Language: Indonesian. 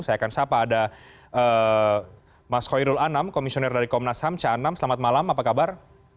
saya akan sapa ada mas khairul anam komisioner dari komnas ham ca anam selamat malam apa kabar